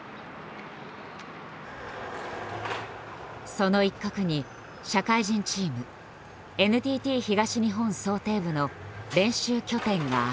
その一角に社会人チーム「ＮＴＴ東日本漕艇部」の練習拠点がある。